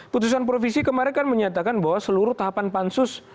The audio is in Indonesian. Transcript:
putusan provisi kemarin kan menyatakan bahwa seluruh tahapan pansus